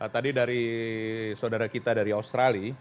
tadi dari saudara kita dari australia